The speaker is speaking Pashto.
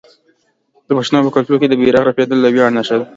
د پښتنو په کلتور کې د بیرغ رپیدل د ویاړ نښه ده.